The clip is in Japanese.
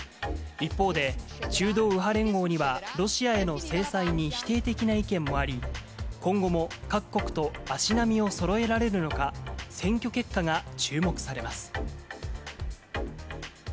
一方で、中道右派連合には、ロシアへの制裁に否定的な意見もあり、今後も各国と足並みをそろえられるのか、選挙結果が注目されます。